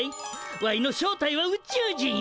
ワイの正体は宇宙人や。